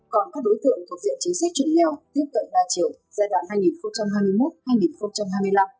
còn các đối tượng thuộc diện chính sách chuẩn nghèo tiếp cận đa chiều giai đoạn hai nghìn hai mươi một hai nghìn hai mươi năm